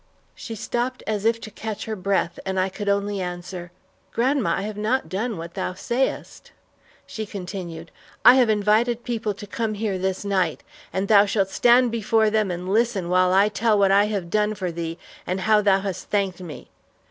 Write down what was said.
She stopped as if to catch her breath, and I could only answer, "Grandma, I have not done what thou sayest." She continued: "I have invited people to come here this night, and thou shalt stand before them and listen while I tell what I have done for thee, and how thou hast thanked me.